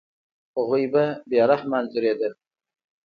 هغوی به بې رحمه انځورېدل.